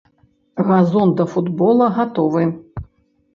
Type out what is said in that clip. Газон да футбола гатовы.